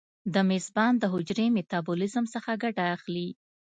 د میزبان د حجرې میتابولیزم څخه ګټه اخلي.